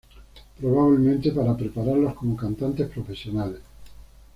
Probablemente para prepararlos como cantantes profesionales.